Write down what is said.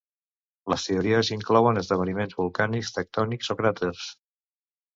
Les teories inclouen esdeveniments volcànics, tectònics o cràters.